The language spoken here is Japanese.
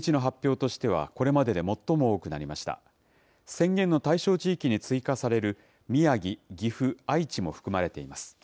宣言の対象地域に追加される宮城、岐阜、愛知も含まれています。